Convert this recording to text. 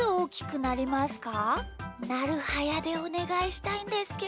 なるはやでおねがいしたいんですけど。